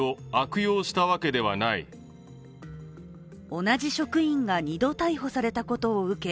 同じ職員が２度逮捕されたことを受け